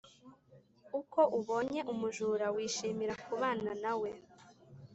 Uko ubonye umujura wishimira kubana na we.